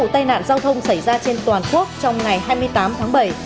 là số vụ tai nạn giao thông xảy ra trên toàn quốc trong ngày hai mươi tám tháng bảy